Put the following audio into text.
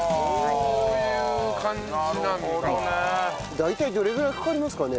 大体どれぐらいかかりますかね？